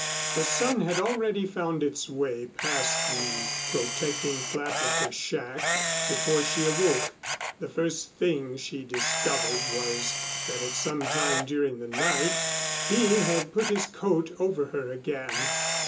The sun had already found its way past the protecting flap of her shack before she awoke. The first thing she discovered was that at some time during the night he had put his coat over her again.